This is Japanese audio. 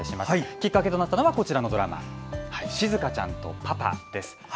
きっかけとなったのがこちらのドラマ「しずかちゃんとパパ」です。